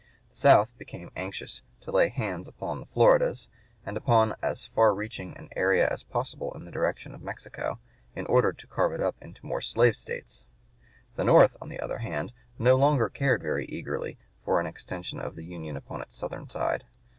The South became anxious to lay hands upon the Floridas and upon as far reaching an area as possible in the direction of Mexico, in order to carve it up into more slave States; the North, on the other hand, no longer cared very eagerly for an extension of the Union upon its southern side.